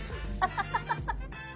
ハハハハ。